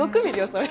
それ。